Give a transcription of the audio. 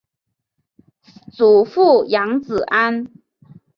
祖父杨子安。